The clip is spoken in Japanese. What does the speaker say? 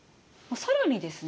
更にですね